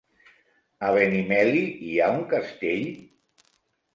A Benimeli hi ha un castell?